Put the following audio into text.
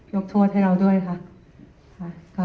ยกโทษให้เราด้วยค่ะ